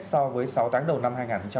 so với sáu tháng đầu năm hai nghìn một mươi chín